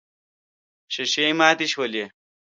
ښيښې ماتې شولې.